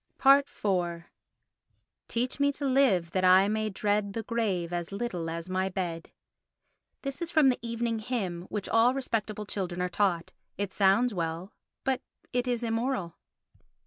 iv Teach me to live that I may dread The grave as little as my bed. This is from the evening hymn which all respectable children are taught. It sounds well, but it is immoral.